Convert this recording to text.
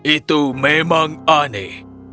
itu memang aneh